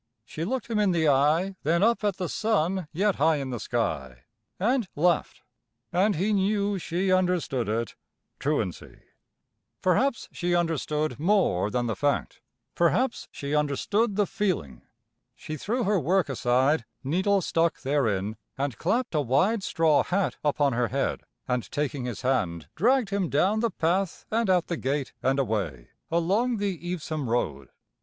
She looked him in the eye, then up at the sun yet high in the sky, and laughed. And he knew she understood it truancy. [Illustration: "He ... trudged up the path and peered in at the open door"] Perhaps she understood more than the fact, perhaps she understood the feeling. She threw her work aside, needle stuck therein, and clapped a wide straw hat upon her head and taking his hand dragged him down the path and out the gate and away along the Evesham road.